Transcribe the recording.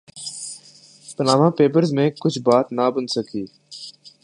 Panama Papers میں کچھ بات نہ بن سکی۔